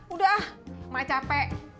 udah ah makanya capek